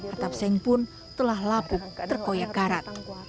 atap seng pun telah lapuk terkoyak karat